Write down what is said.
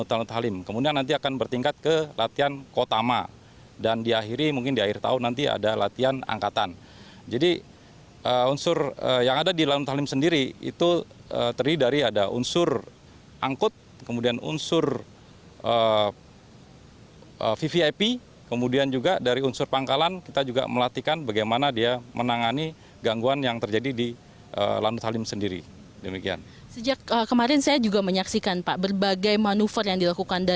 penerbangan sepuluh pesawat hercules untuk menilai lokasi bencana alam yang terjadi di sumatera selatan